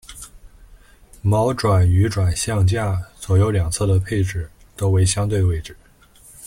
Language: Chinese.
锚杆于转向架左右两侧的配置多为相对位置。